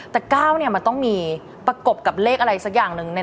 แต่๙มันต้องมีประกบกับเลขอะไรสักอย่างหนึ่ง